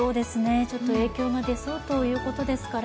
影響が出そうということですから